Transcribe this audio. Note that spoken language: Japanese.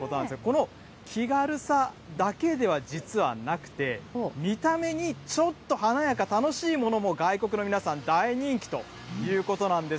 この気軽さだけでは実はなくて、見た目にちょっと華やか、楽しいものも外国の皆さん、大人気ということなんです。